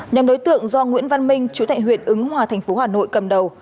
nhóm đối tượng do nguyễn văn minh chú tại huyện ứng hòa thành phố hà nội cầm đầu